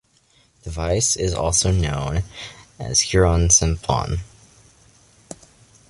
The device is also known as Heron's siphon.